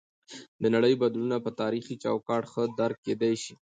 د نړۍ بدلونونه په تاریخي چوکاټ کې ښه درک کیدی شي.